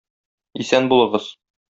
Исән булыгыз!